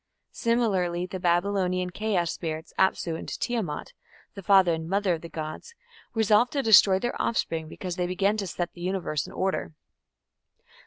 Similarly the Babylonian chaos spirits, Apsu and Tiamat, the father and mother of the gods, resolve to destroy their offspring, because they begin to set the Universe in order.